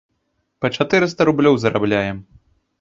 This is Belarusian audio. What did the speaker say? Па чатырыста рублёў зарабляем.